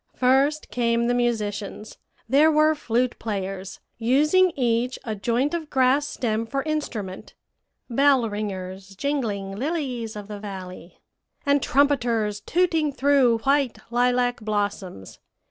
"First came the musicians; there were flute players, using each a joint of grass stem for instrument, bell ringers, jingling lilies of the valley, and trumpeters tooting through white lilac blossoms.